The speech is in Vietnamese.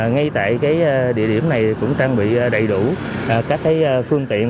ngay tại cái địa điểm này cũng trang bị đầy đủ các cái phương tiện